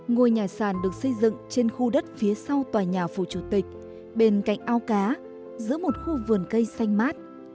ngôi nhà sàn được xây dựng trên khu đất phía sau tòa nhà phủ chủ tịch bên cạnh ao cá giữa một khu vườn cây xanh mát